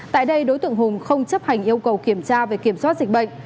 tại đây đối tượng hùng không chấp hành yêu cầu kiểm tra về kiểm soát dịch bệnh